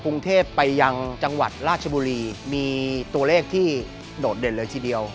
กรุงเทพไปยังจังหวัดราชบุรีมีตัวเลขที่โดดเด่นเลยทีเดียว